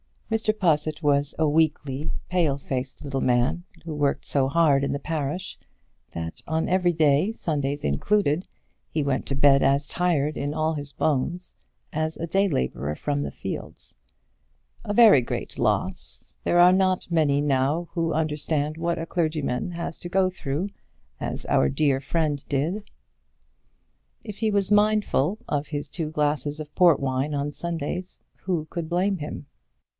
Mr. Possitt was a weakly, pale faced little man, who worked so hard in the parish that on every day, Sundays included, he went to bed as tired in all his bones as a day labourer from the fields; "a very great loss. There are not many now who understand what a clergyman has to go through, as our dear friend did." If he was mindful of his two glasses of port wine on Sundays, who could blame him?